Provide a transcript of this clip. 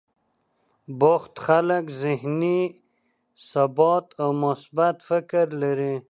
بوخت خلک ذهني ثبات او مثبت فکر لري.